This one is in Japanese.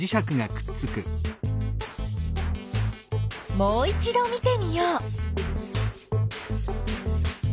もういちど見てみよう。